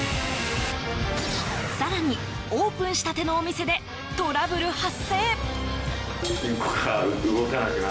更に、オープンしたてのお店でトラブル発生。